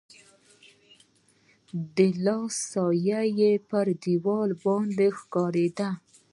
د لاس سایه يې پر دیوال باندي ښکارېده.